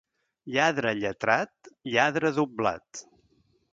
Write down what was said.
Lladre lletrat, lladre doblat.